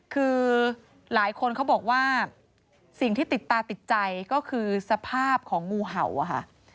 คือหลายคนเขาบอกว่าสิ่งที่ติดตาติดใจก็คือสภาพของงูเห่าอะค่ะ